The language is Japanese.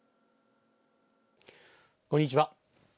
こんにちは。